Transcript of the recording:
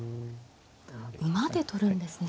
馬で取るんですね。